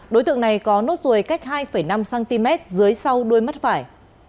đối tượng này có nốt ruồi cách hai năm cm dưới sau đuôi mắt phải